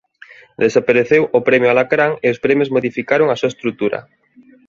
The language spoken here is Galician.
Desapareceu o premio Alacrán e os premios modificaron a súa estrutura.